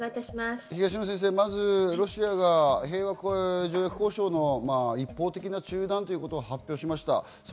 まずロシアが平和条約交渉の一方的な中断ということを発表しました。